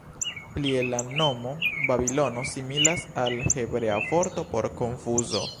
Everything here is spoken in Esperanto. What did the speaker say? Plie la nomo "Babilono" similas al hebrea vorto por "konfuzo".